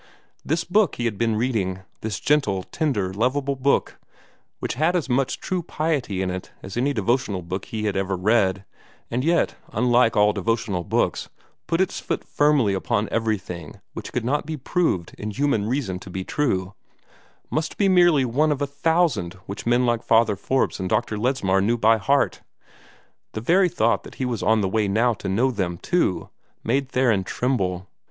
This book he had been reading this gentle, tender, lovable book, which had as much true piety in it as any devotional book he had ever read, and yet, unlike all devotional books, put its foot firmly upon everything which could not be proved in human reason to be true must be merely one of a thousand which men like Father Forbes and Dr. Ledsmar knew by heart. The very thought that he was on the way now to know them, too, made Theron tremble.